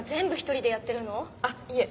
あっいえ